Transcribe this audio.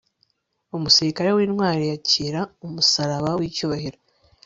umusirikare w'intwari yakira umusaraba w'icyubahiro